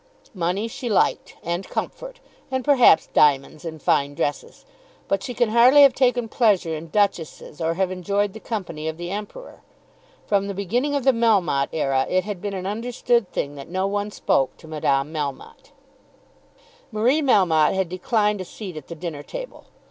Money she liked, and comfort, and perhaps diamonds and fine dresses, but she can hardly have taken pleasure in duchesses or have enjoyed the company of the Emperor. From the beginning of the Melmotte era it had been an understood thing that no one spoke to Madame Melmotte. Marie Melmotte had declined a seat at the dinner table.